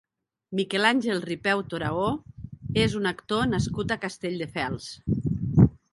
Miquel Àngel Ripeu Toraó és un actor nascut a Castelldefels.